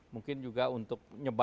mungkin juga untuk nyebabkan